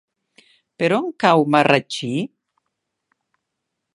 Per on cau Marratxí?